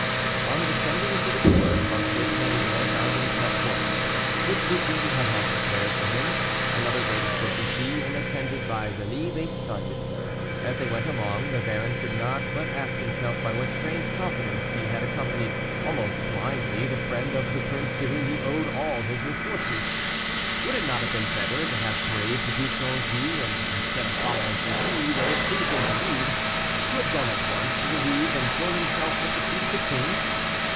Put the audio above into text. On descending into the court, M. de Méridor found a fresh horse, which Bussy had had prepared for him; another waited for Bussy, and attended by Rémy, they started. As they went along, the baron could not but ask himself by what strange confidence he had accompanied, almost blindly, the friend of the prince to whom he owed all his misfortunes. Would it not have been better to have braved the Duc d'Anjou, and instead of following Bussy where it pleased him to lead, to have gone at once to the Louvre, and thrown himself at the feet of the king?